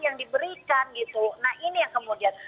yang diberikan gitu nah ini yang kemudian